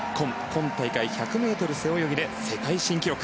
今大会、１００ｍ背泳ぎで世界新記録。